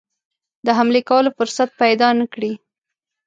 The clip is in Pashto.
د حملې کولو فرصت پیدا نه کړي.